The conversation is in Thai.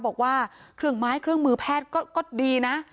บอกว่าเครื่องไม้เครื่องมือแพทย์ก็ดีนะ